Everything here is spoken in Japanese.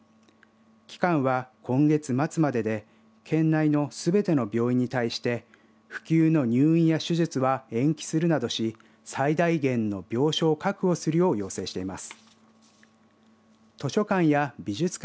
期間は今月末までで県内のすべての病院に対して不急の入院や手術は延期するなどし最大限の病床を確保するよう要請しています。